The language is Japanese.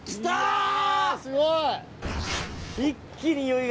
すごい。